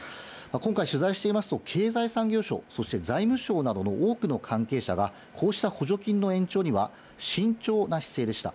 今回、取材していますと、経済産業省、そして財務省などの多くの関係者が、こうした補助金の延長には慎重な姿勢でした。